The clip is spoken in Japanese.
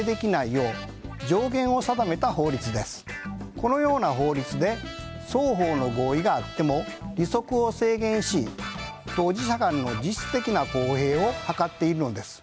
このような法律で双方の合意があっても利息を制限し当事者間の実質的な公平を図っているのです。